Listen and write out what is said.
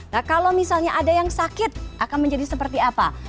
nah kalau misalnya ada yang sakit akan menjadi seperti apa